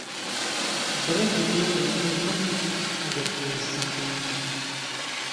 بڕێکی زۆر دەمامک مەکڕە ئەگەر پێویستیت پێی نییە.